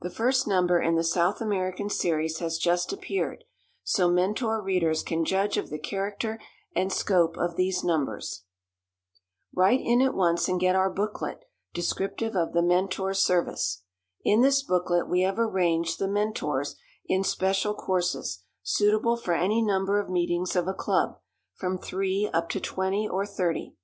The first number in the South American series has just appeared, so Mentor readers can judge of the character and scope of these numbers. Write in at once and get our booklet descriptive of The Mentor Service. In this booklet we have arranged The Mentors in special courses, suitable for any number of meetings of a club, from three up to twenty or thirty.